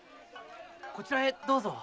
こちらへどうぞ。